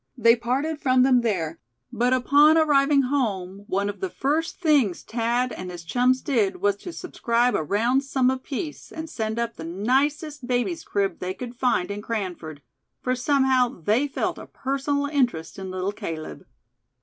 They parted from them there; but upon arriving home, one of the first things Thad and his chums did was to subscribe a round sum apiece, and send up the nicest baby's crib they could find in Cranford; for somehow they felt a personal interest in Little Caleb.